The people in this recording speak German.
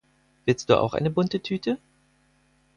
Willst du auch eine bunte Tüte?